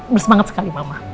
bersemangat sekali mama